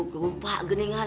gua lupa geningan